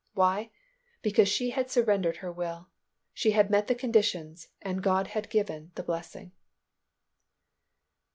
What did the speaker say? Why? Because she had surrendered her will. She had met the conditions and God had given the blessing.